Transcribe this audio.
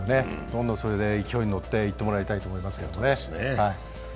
どんどんそれで勢いに乗っていってもらいたいと思いますけどね。